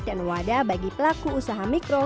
dan wadah bagi pelaku usaha mikro